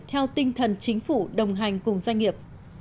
theo tinh thần chính phủ đồng hành cùng doanh nghiệp